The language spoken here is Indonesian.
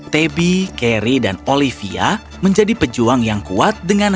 tabby carrie dan olivia menjadi pejuang yang kuat dengan